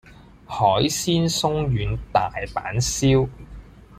海鮮鬆軟大阪燒